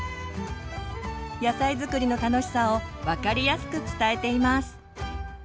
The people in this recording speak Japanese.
野菜づくりの楽しさを分かりやすく伝えています。